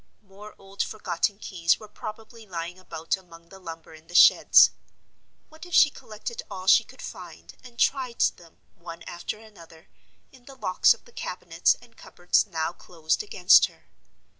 More old forgotten keys were probably lying about among the lumber in the sheds. What if she collected all she could find, and tried them, one after another, in the locks of the cabinets and cupboards now closed against her?